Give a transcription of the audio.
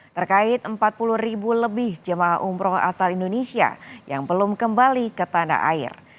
terkait empat puluh ribu lebih jemaah umroh asal indonesia yang belum kembali ke tanah air